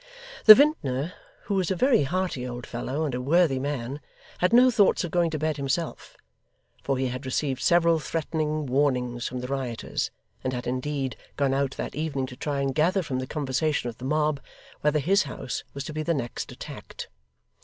The vintner, who was a very hearty old fellow and a worthy man, had no thoughts of going to bed himself, for he had received several threatening warnings from the rioters, and had indeed gone out that evening to try and gather from the conversation of the mob whether his house was to be the next attacked.